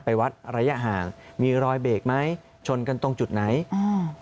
ไปวัดระยะห่างมีรอยเบรกไหมชนกันตรงจุดไหนอ่า